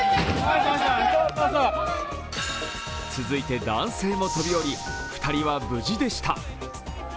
続いて男性も飛び降り、２人は無事でした。